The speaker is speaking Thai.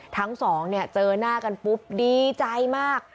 ทั้งสองเนี่ยเจอหน้ากันปุ๊บดีใจมาก